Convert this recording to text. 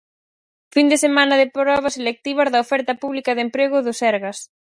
Fin de semana de probas selectivas da oferta pública de emprego do Sergas.